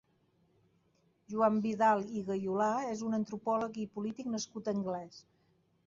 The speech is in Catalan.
Joan Vidal i Gayolà és un antropòleg i polític nascut a Anglès.